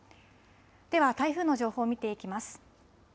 では台風の情報、見ていきます。